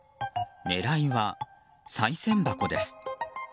狙いは、さい銭箱です。